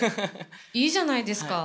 いいじゃないですか。